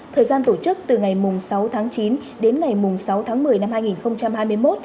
thời gian tổ chức từ ngày sáu tháng chín đến ngày sáu tháng một mươi năm hai nghìn hai mươi một